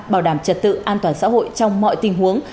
bảo đảm trật tự an toàn xã hội trong mọi tình huống